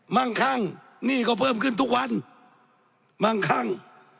มั่งคั่งหนี้ก็เพิ่มขึ้นทุกวันมั่งคั่ง